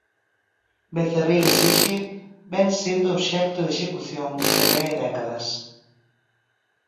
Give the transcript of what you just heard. Becerril esixe ven sendo obxecto de execución dende hai décadas.